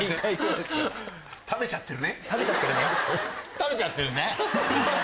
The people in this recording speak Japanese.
食べちゃってるね。